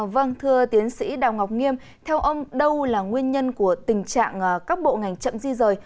vâng thưa tiến sĩ đào ngọc nghiêm theo ông đâu là nguyên nhân của tình trạng các bộ ngành chậm di rời